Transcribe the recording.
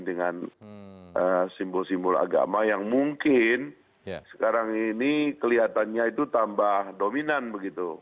dengan simbol simbol agama yang mungkin sekarang ini kelihatannya itu tambah dominan begitu